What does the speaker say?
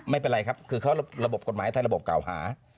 ไม่เป็นไรครับคือเขาระบบกฎหมายไทยระบบเก่าหา